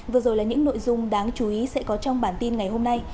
vừa rồi là những nội dung đáng chú ý sẽ có trong bản tin ngày hôm nay